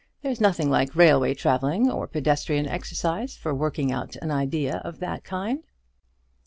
There's nothing like railway travelling or pedestrian exercise for working out an idea of that kind."